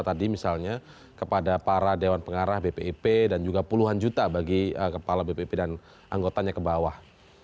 ketika memberikan gaji ratusan juta tadi misalnya kepada para dewan pengarah bpip dan juga puluhan juta bagi kepala bpip dan anggotanya ke bawah